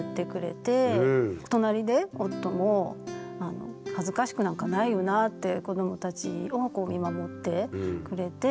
隣で夫も「恥ずかしくなんかないよな」って子どもたちを見守ってくれて。